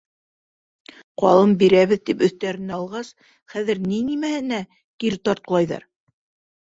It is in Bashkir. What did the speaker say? Ҡалым бирәбеҙ тип өҫтәренә алғас, хәҙер ни нәмәһенә кире тартҡылайҙар.